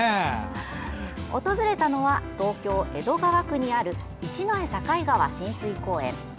訪れたのは東京・江戸川区にある一之江境川親水公園。